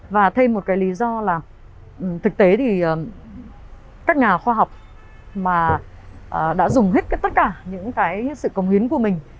và thêm một cái lý do là thực tế thì các nhà khoa học mà đã dùng hết tất cả những cái sự công hiến của mình